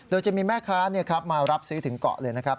โดยจะมีแม่ค้ามารับซื้อถึงเกาะเลยนะครับ